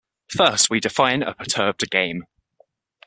First we define a perturbed game.